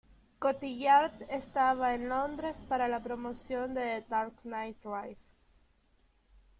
Cotillard estaba en Londres para la promoción de "The Dark Knight Rises".